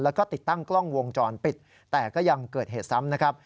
แล้วก็ติดตั้งกล้องวงจรปิดแต่ก็ยังเกิดเหตุซ้ำนะครับ